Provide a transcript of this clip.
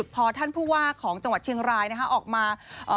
พอท่านผู้ว่าของจังหวัดเชียงรายออกมา